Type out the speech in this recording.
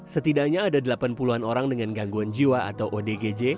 setidaknya ada delapan puluh an orang dengan gangguan jiwa atau odgj